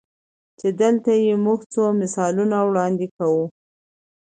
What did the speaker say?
چې دلته ئې مونږ څو مثالونه وړاندې کوو-